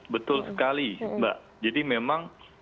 betul sekali mbak jadi memang